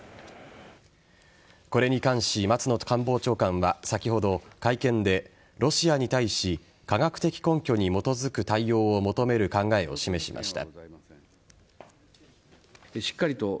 これに関し松野官房長官は先ほど会見で、ロシアに対し科学的根拠に基づく対応を求める考えを示しました。